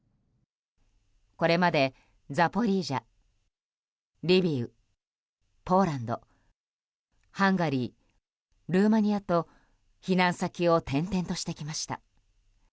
これまでザポリージャ、リビウポーランド、ハンガリールーマニアと避難先を転々としてきました。